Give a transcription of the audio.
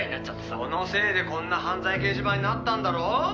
「そのせいでこんな犯罪掲示板になったんだろう！」